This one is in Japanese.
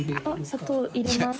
砂糖入れます。